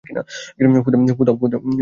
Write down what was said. ফুঁ দাও, ফুঁ দাও!